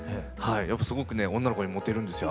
すごくね女の子にモテるんですよ